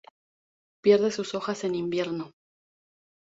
Pierde sus hojas en invierno.